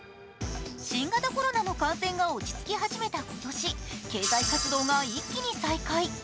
新型コロナの感染が落ち着き始めた今年、経済活動が一気に再開。